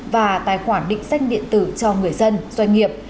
và tài khoản định danh điện tử cho người dân doanh nghiệp